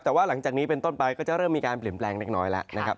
แต่ว่าหลังจากนี้เป็นต้นไปก็จะเริ่มมีการเปลี่ยนแปลงเล็กน้อยแล้วนะครับ